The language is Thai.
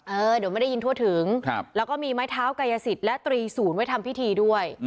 เออเดี๋ยวไม่ได้ยินทั่วถึงแล้วก็มีไม้เท้ากายสิทธิ์และตรีศูนย์ไว้ทำพิธีด้วย